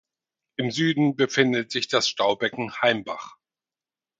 Im Süden befindet sich das Staubecken Heimbach.